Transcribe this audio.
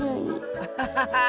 アハハハ！